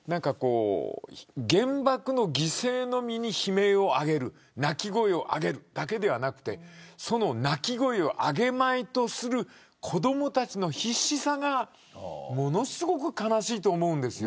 原爆の犠牲のみに悲鳴を上げる泣き声を上げるだけではなくその泣き声を上げまいとする子どもたちの必死さがものすごく悲しいと思うんです。